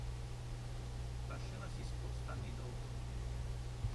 La scena si sposta anni dopo.